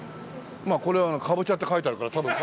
まあこれはかぼちゃって書いてあるからたぶん。